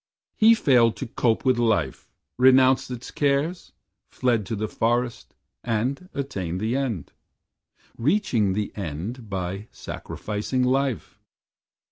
He failed to cope with life; renounced its cares; Fled to the forest, and attained the End, Reaching the End by sacrificing life.